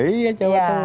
iya jawa tengah